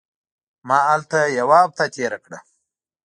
ما هلته یوه هفته تېره کړه.